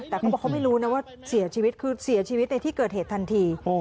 แต่เขาบอกเขาไม่รู้นะว่าเสียชีวิตคือเสียชีวิตในที่เกิดเหตุทันที